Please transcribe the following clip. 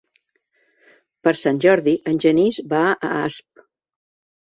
Per Sant Jordi en Genís va a Asp.